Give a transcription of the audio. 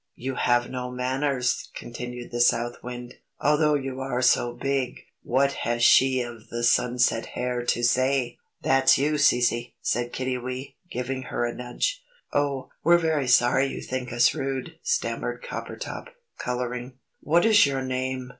"You have no manners," continued the South Wind, "although you are so big. What has She of the sunset hair to say?" "That's you, Cece," said Kiddiwee, giving her a nudge. "Oh, we're very sorry you think us rude," stammered Coppertop, colouring. "What is your name?"